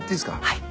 はい。